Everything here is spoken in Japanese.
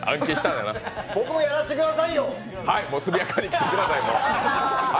はい、速やかに来てください。